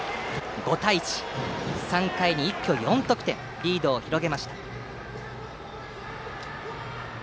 ５対１として３回に一挙４得点とリードを広げました。